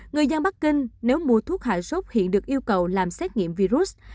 người dân bắc kinh nếu mua thuốc hạ sốt hiện được yêu cầu làm xét nghiệm virus